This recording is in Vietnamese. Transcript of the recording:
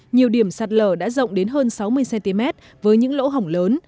nhiều điểm sạt lở đã rộng đến hơn sáu mươi cm với những lỗ hỏng lớn